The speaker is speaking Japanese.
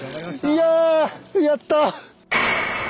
いややった！